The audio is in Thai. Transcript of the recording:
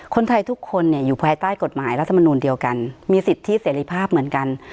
คนไทยทุกคนเนี่ยอยู่ภายใต้กฎหมายรัฐมนูลเดียวกันมีสิทธิเสรีภาพเหมือนกัน